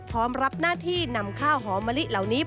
พร้อมรับหน้าที่นำข้าวหอมมะลิเหล่านี้